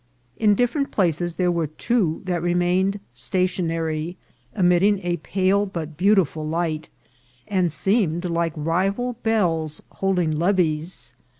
In different places there were two that remained stationary, emitting a pale but beautiful light, and seemed like rival belles holding levees.